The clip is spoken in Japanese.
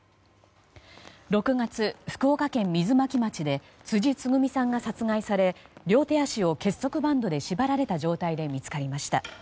６月、福岡県水巻町で辻つぐみさんが殺害され両手足を結束バンドで縛られた状態で見つかりました。